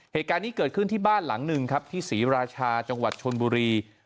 เหตุการณ์นี้เกิดขึ้นที่บ้านหลังหนึ่งครับที่ศรีราชาจังหวัดชนบุรี